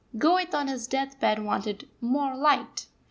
Goethe on his death bed wanted "more light."